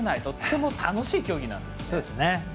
とても楽しい競技なんですね。